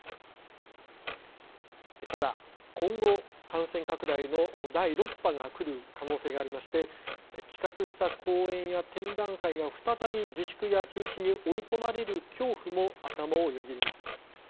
ただ今後感染拡大の第６波が来る可能性がありまして企画した公演や展覧会が再び自粛や中止に追い込まれる恐怖も頭をよぎります。